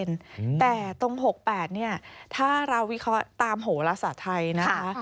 แต่ตรง๖๘เนี่ยถ้าเราวิเคราะห์ตามโหลศาสตร์ไทยนะคะ